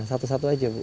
satu satu aja bu